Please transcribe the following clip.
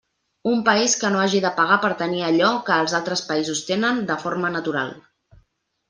Un país que no hagi de pagar per tenir allò que els altres països tenen de forma natural.